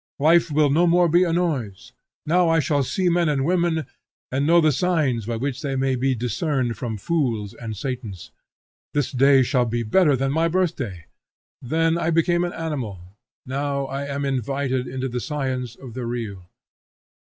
Life will no more be a noise; now I shall see men and women, and know the signs by which they may be discerned from fools and satans. This day shall be better than my birthday: then I became an animal; now I am invited into the science of the real.